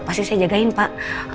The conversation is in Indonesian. pasti saya jagain pak